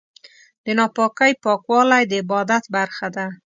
د ناپاکۍ پاکوالی د عبادت برخه ده.